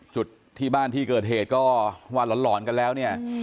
จุดที่บ้านที่เกิดเหตุก็ว่าหลอนกันแล้วเนี่ย